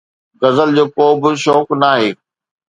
غزل جو ڪو به شوق ناهي